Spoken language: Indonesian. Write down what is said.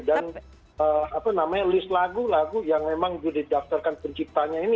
dan apa namanya list lagu lagu yang memang sudah didaftarkan penciptanya ini